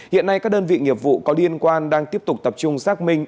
hiện nay các đơn vị nghiệp vụ có liên quan đang tiếp tục tập trung xác minh